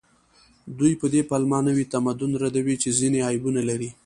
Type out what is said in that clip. دوی په دې پلمه نوي تمدن ردوي چې ځینې عیبونه لري